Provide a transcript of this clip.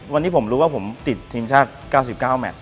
วันนี้ผมรู้ว่าผมติดทีมชาติ๙๙แมท